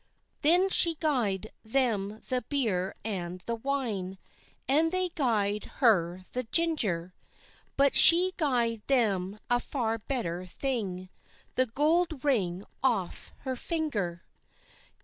Then she gied them the beer and the wine, And they gied her the ginger; But she gied them a far better thing, The goud ring aff her finger.